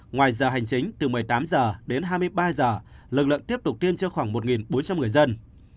ngoài giờ hành chính từ một mươi tám h đến hai mươi ba h lực lượng tiếp tục tiêm cho khoảng một bốn trăm linh người dân